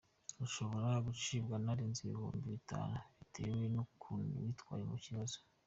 Ushobora gucibwa narenze ibihumbi bitanu bitewe n’ukuntu witwaye mu kibazo.